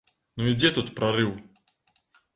Ну і дзе тут прарыў?